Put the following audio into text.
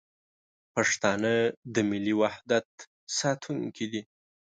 پښتانه د ملي وحدت ساتونکي دي.